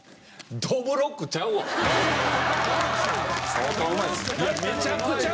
相当うまいっすよ。